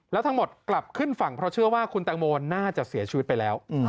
แล้วทั้งหมดกลับขึ้นฝั่งเพราะเชื่อว่าคุณแตงโมน่าจะเสียชีวิตไปแล้ว